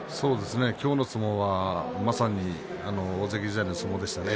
今日の相撲は大関時代の相撲でしたね。